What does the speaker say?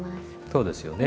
そうですよね。